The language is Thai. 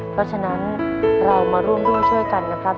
เพราะฉะนั้นเรามาร่วมด้วยช่วยกันนะครับ